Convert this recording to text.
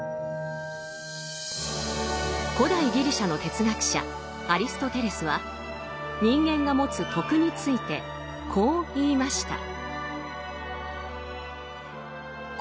古代ギリシャの哲学者アリストテレスは人間が持つ「徳」についてこう言いました。